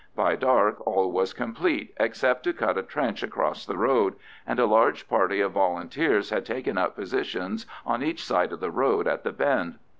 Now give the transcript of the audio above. By dark all was complete, except to cut a trench across the road, and a large party of Volunteers had taken up positions on each side of the road at the bend.